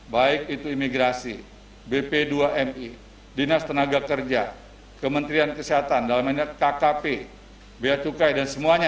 baik itu imigrasi bp dua mi dinas tenaga kerja kementerian kesehatan dalam ini kkp bea cukai dan semuanya